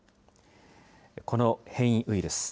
この変異ウイルス。